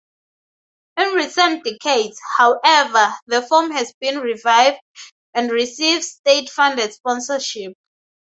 In recent decades, however, the form has been revived, and receives state-funded sponsorship.